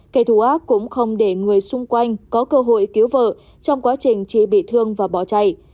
kẻ thù ác cũng không để người xung quanh có cơ hội cứu vợ trong quá trình chị bị thương và bỏ chạy